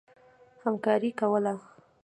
همکاري کوله.